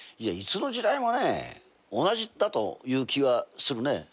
いつの時代もね同じだという気はするね。